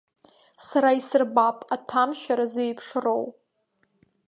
Сара исырбап аҭәамшьара зеиԥшроу!